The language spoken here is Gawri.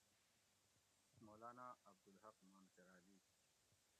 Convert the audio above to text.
مولانا عبدالحق مانکرالی